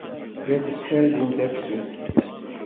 La tettargum tafsut!